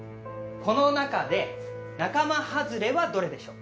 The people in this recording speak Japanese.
この中で仲間外れはどれでしょう？